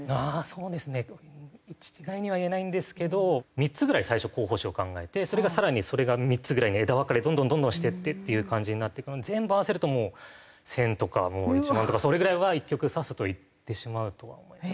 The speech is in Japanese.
そうですね一概には言えないんですけど３つぐらい最初候補手を考えて更にそれが３つぐらいに枝分かれどんどんどんどんしていってっていう感じになっていくので全部合わせるともう１０００とか１万とかそれぐらいは１局指すといってしまうとは思いますね。